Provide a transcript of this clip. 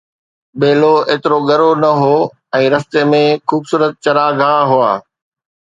ٻيلو ايترو ڳرو نه هو ۽ رستي ۾ خوبصورت چراگاهه هئا